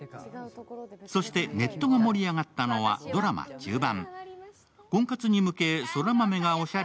そしてネットが盛り上がったのはドラマ中盤。